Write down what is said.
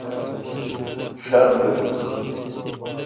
شاین رل اوک۔